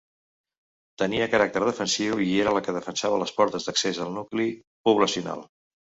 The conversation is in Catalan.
Tenia caràcter defensiu i era la que defensava les portes d'accés al nucli poblacional.